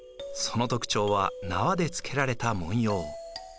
その特徴は縄でつけられた文様。